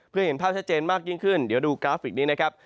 เพื่อเห็นภาพชัดเจนมากยิ่งขึ้นเดี๋ยวดูกราฟิกนี้นะครับ